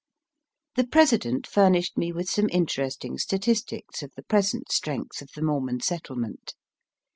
The President furnished me with some interesting statistics of the present strength of the Mormon settlement.